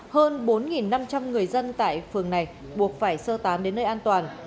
hơn bốn năm trăm linh người dân tại phường này buộc phải sơ tán đến nơi ảnh hưởng